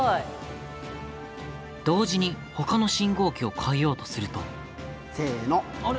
同時に他の信号機を変えようとすると。